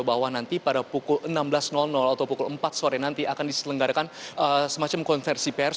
bahwa nanti pada pukul enam belas atau pukul empat sore nanti akan diselenggarakan semacam konversi pers